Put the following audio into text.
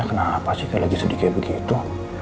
kenapa sih kayak sedih kayak begitu